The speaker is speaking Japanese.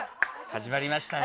始まりましたね。